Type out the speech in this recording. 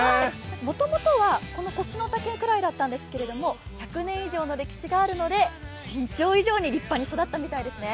もともとは腰の丈くらいだったんですけど、１００年以上の歴史があるので、身長以上に立派に育ったみたいですね。